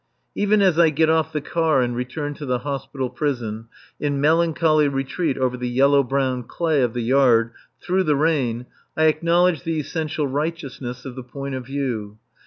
Even as I get off the car and return to the Hospital prison, in melancholy retreat over the yellow brown clay of the yard, through the rain, I acknowledge the essential righteousness of the point of view.